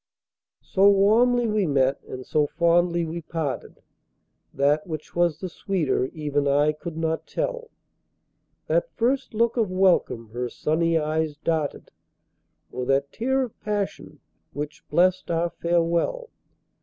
So warmly we met and so fondly we parted, That which was the sweeter even I could not tell, That first look of welcome her sunny eyes darted, Or that tear of passion, which blest our farewell.